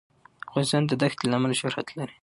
افغانستان د دښتې له امله شهرت لري.